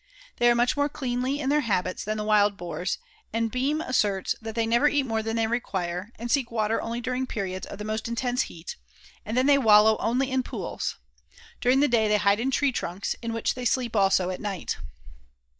They are much more cleanly in their habits than the Wild Boars, and Beehm asserts that they never eat more than they require, and seek water only during periods of the most intense heat, and then they wallow only in pools. During the day they hide in tree trunks, in which they sleep also at night.